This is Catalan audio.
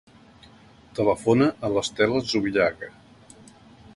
Telefona a l'Estela Zubillaga.